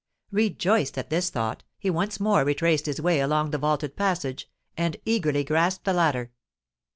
Rejoiced at this thought, he once more retraced his way along the vaulted passage, and eagerly grasped the ladder.